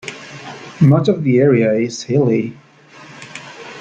Much of the area is hilly.